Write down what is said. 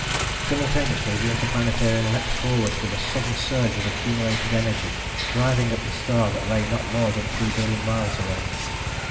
Simultaneously the Interplanetarian leaped forward with a sudden surge of accumulated energy, driving at the star that lay not more than three billion miles away.